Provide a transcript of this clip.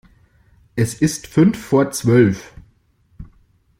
Es ist fünf vor zwölf.